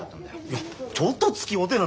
いやちょっとつきおうてえな。